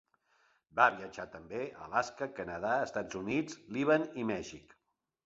Va viatjar també a Alaska, Canadà, Estats Units, Líban, i Mèxic.